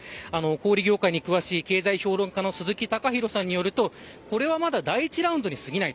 小売り業界に詳しい経済評論家の鈴木貴博さんによるとこれはまだ第一ラウンドにすぎない。